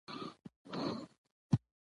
د کلتوري ارزښتونو پالنه د ملت روحیه لوړوي.